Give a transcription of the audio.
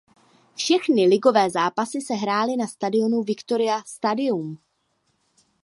Všechny ligové zápasy se hrály na stadionu Victoria Stadium.